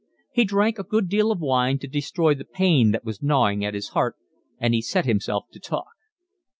He drank a good deal of wine to destroy the pain that was gnawing at his heart, and he set himself to talk.